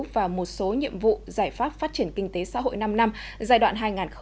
và một số nhiệm vụ giải pháp phát triển kinh tế xã hội năm năm giai đoạn hai nghìn hai mươi một hai nghìn hai mươi năm